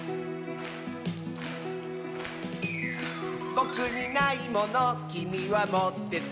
「ぼくにないものきみはもってて」